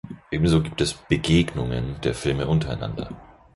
Ebenso gibt es „Begegnungen“ der Filme untereinander.